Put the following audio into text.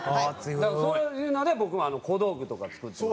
だからそういうので僕も小道具とか作って。